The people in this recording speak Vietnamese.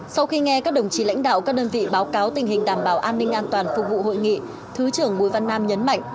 sau khi nghe các đồng chí lãnh đạo các đơn vị báo cáo tình hình đảm bảo an ninh an toàn phục vụ hội nghị thứ trưởng bùi văn nam nhấn mạnh